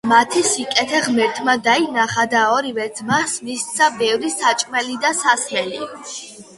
მათი სიკეთე ღმერთმა დაინახა და ორივე ძმას მისცა ბევრი საჭმელი და სასმელი.